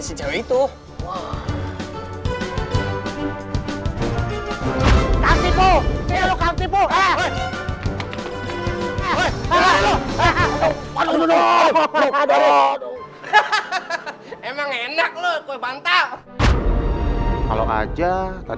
gue cabut duluan